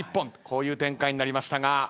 こういう展開になりましたが。